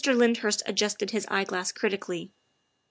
Lyndhurst adjusted his eyeglass critically.